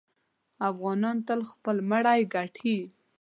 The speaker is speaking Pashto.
افغانان تل خپل مړی ګټي.